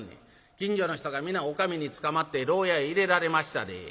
近所の人が『皆お上に捕まってろう屋へ入れられましたで』。